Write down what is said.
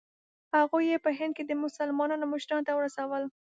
هغوی یې په هند کې مسلمانانو مشرانو ته ورسول.